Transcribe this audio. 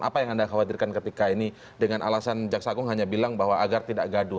apa yang anda khawatirkan ketika ini dengan alasan jaksa agung hanya bilang bahwa agar tidak gaduh